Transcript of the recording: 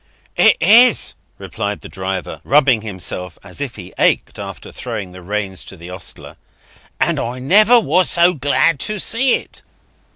"It is," replied the driver, rubbing himself as if he ached, after throwing the reins to the ostler. "And I never was so glad to see it."